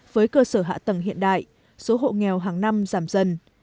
với cơ sở hạ tầng hiện đại số hộ nghèo hàng năm giảm dần